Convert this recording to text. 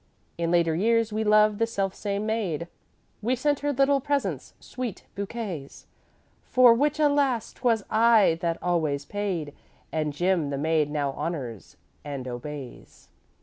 "'In later years we loved the self same maid; We sent her little presents, sweets, bouquets, For which, alas! 'twas I that always paid; And Jim the maid now honors and obeys.